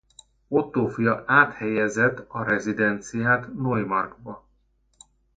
Ottó fia áthelyezett a rezidenciát Neumarktba.